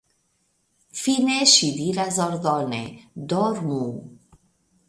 Fine ŝi diras ordone: Dormu!